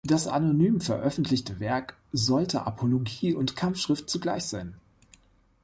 Das anonym veröffentlichte Werk sollte Apologie und Kampfschrift zugleich sein.